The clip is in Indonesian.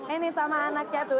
ini sama anaknya tuh